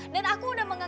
dan aku udah menganggap